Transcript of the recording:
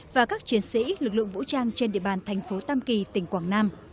và các chiến sĩ lực lượng vũ trang trên địa bàn tp tam kỳ tỉnh quảng nam